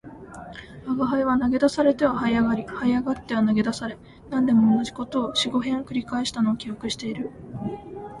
吾輩は投げ出されては這い上り、這い上っては投げ出され、何でも同じ事を四五遍繰り返したのを記憶している